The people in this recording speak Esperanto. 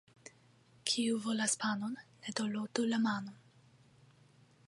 Kiu volas panon, ne dorlotu la manon.